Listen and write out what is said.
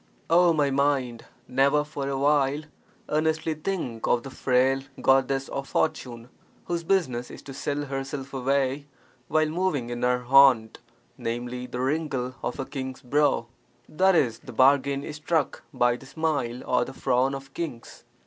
O my mind, never for a while earnestly think of the frail goddess of fortune, whose business is to sell herself away while moving in her haunt, namely, the wrinkle of a king's brow (i.e., the bargain is struck by the smile or the frown of kings).